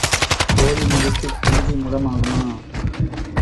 கோழி மிதித்துக் குஞ்சு முடம் ஆகுமா?